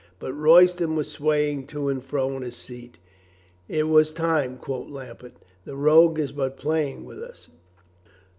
But Royston was swaying to and fro in his seat. "It was time," quoth Lambert. "The rogue is but playing with us."